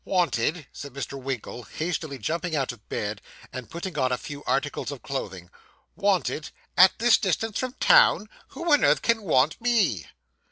'Wanted!' said Mr. Winkle, hastily jumping out of bed, and putting on a few articles of clothing; 'wanted! at this distance from town who on earth can want me?